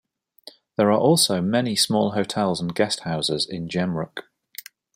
There are also many small hotels and guest houses in Jemruk.